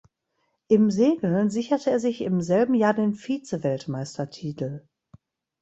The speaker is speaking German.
Im Segeln sicherte er sich im selben Jahr den Vizeweltmeistertitel.